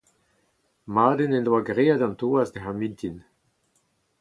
Madenn he doa graet an toaz diouzh ar mintin.